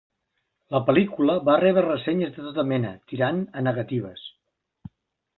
La pel·lícula va rebre ressenyes de tota mena, tirant a negatives.